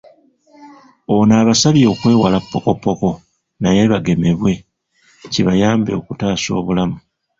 Ono abasabye okwewala ppokoppoko naye bagemebwe, kibayambe okutaasa obulamu.